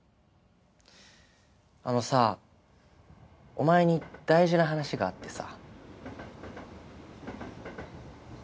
あのさお前に大事な話があってさ。